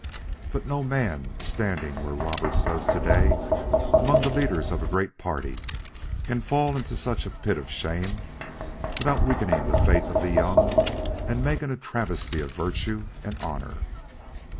But no man standing where Roberts does to day among the leaders of a great party can fall into such a pit of shame without weakening the faith of the young and making a travesty of virtue and honor."